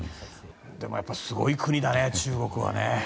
でもやっぱりすごい国だね、中国は。